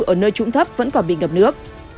ở nơi trúng thấp vẫn còn bị ngập nước